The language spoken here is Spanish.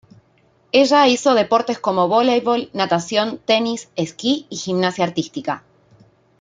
Ella hizo deportes como voleibol, natación, tenis, esquí y gimnasia artística.